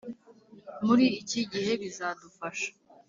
Muri iki gihe bizadufasha